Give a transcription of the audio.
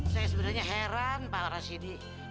saya sebenarnya heran pak rashidi